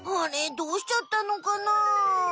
どうしちゃったのかな？